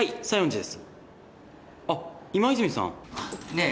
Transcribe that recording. ねえ。